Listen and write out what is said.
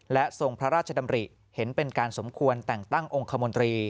และทรงพระราชดำริเห็นเป็นการสมควรแต่งตั้งองค์คมนตรี